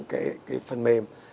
cái phần mềm